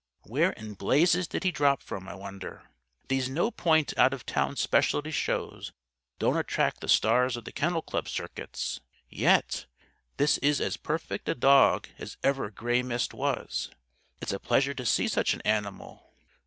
Where in blazes did he drop from, I wonder? These 'no point' out of town Specialty Shows don't attract the stars of the Kennel Club circuits. Yet, this is as perfect a dog as ever Grey Mist was. It's a pleasure to see such an animal.